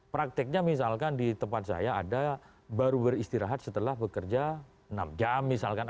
prakteknya misalkan di tempat saya ada baru beristirahat setelah bekerja enam jam misalkan